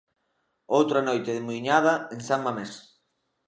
Outra noite de muiñada en San Mamés.